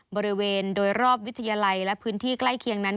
บริเวณโดยรอบวิทยาลัยและพื้นที่ใกล้เคียงนั้น